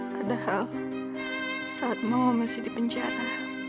padahal saat mau masih di penjara